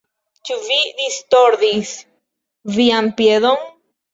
Ĉu vi distordis vian piedon?